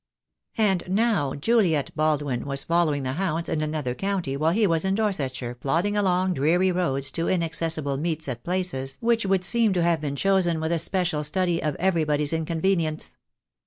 And now Juliet Baldwin was following the hounds in an other county while he was in Dorsetshire plodding along dreary roads to inaccessible meets at places which would seem to have been chosen with a special study of every body's inconvenience.